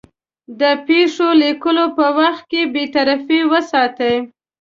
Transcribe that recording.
د پېښو لیکلو په وخت کې بېطرفي وساتي.